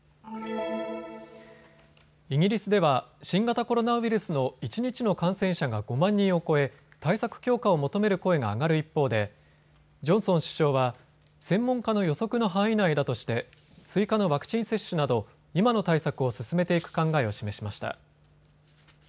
イギリスでは新型コロナウイルスの一日の感染者が５万人を超え対策強化を求める声が上がる一方でジョンソン首相は専門家の予測の範囲内だとして追加のワクチン接種など、今の対策を進めていく考えを示しました。